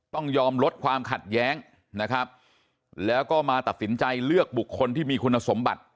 ต้องยอมลดความขัดแย้งนะครับแล้วก็มาตัดสินใจเลือกบุคคลที่มีคุณสมบัติ